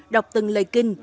đọc từng lời kinh